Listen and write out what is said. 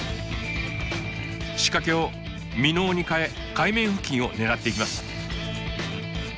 仕掛けをミノーに変え海面付近を狙っていきます。